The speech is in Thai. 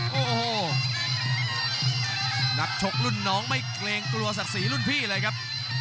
โอ้โหนักชกรุ่นน้องไม่เกรงกลัวศักดิ์ศรีรุ่นพี่เลยครับ